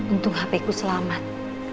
untung hp ku selamat